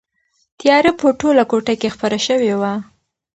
تیاره په ټوله کوټه کې خپره شوې وه.